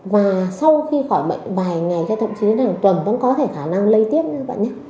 và sau khi khỏi bệnh vài ngày hay thậm chí đến hàng tuần vẫn có thể khả năng lây tiếp nữa các bạn nhé